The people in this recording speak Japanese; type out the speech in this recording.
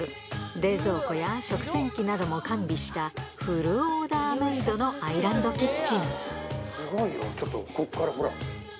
冷蔵庫や食洗機なども完備したフルオーダーメードのアイランドキすごいよ、ちょっと、ここから。